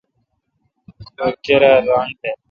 رو کیرا ران بہ۔